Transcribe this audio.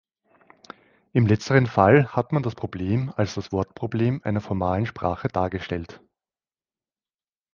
Im letzteren Fall hat man das Problem als das Wortproblem einer formalen Sprache dargestellt.